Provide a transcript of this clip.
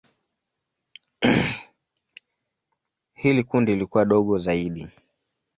Hili kundi lilikuwa dogo zaidi.